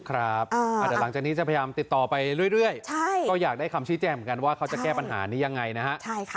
เดี๋ยวหลังจากนี้จะพยายามติดต่อไปเรื่อยก็อยากได้คำชี้แจงเหมือนกันว่าเขาจะแก้ปัญหานี้ยังไงนะฮะ